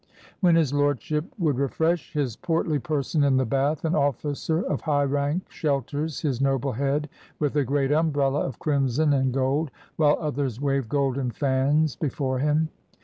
When his lordship would refresh his portly person in the bath, an officer of high rank shelters his noble head with a great umbrella of crimson and gold, while others wave golden fans before him.